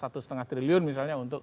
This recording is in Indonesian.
satu setengah triliun misalnya untuk